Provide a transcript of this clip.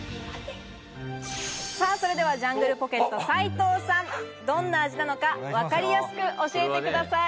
さぁ、それではジャングルポケット・斉藤さん、どんな味なのかわかりやすく教えてください。